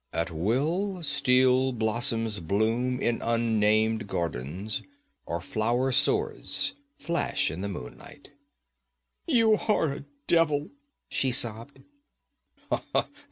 At will, steel blossoms bloom in unnamed gardens, or flower swords flash in the moonlight.' 'You are a devil,' she sobbed.